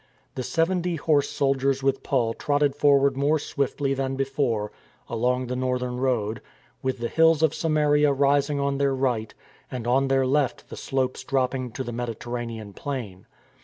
The seventy horse soldiers with Paul trotted forward more swiftly than before along the northern road, with the hills of Samaria rising on their right, and on their left the slopes dropping to the Mediterranean plain.